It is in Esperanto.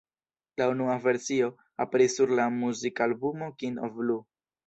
La unua versio aperis sur la muzikalbumo Kind of Blue.